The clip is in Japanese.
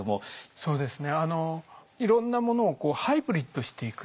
そうですね。